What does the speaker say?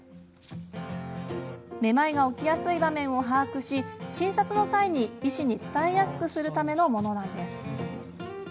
めまいが起きやすい場面を把握し診察の際に医師に伝えやすくするためのものなんです。